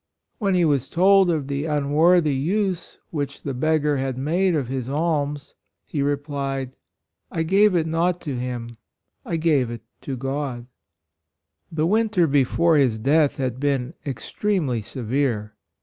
When he was told of the unworthy use which the beg gar had made of his alms, he re plied : "I gave it not to him — I gave it to God." The winter before his death had been extremely severe.